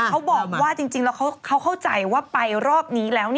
เขาบอกว่าจริงแล้วเขาเข้าใจว่าไปรอบนี้แล้ว